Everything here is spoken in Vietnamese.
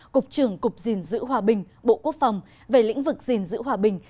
cục trưởng cục dình dữ hòa bình bộ quốc phòng về lĩnh vực dình dữ hòa bình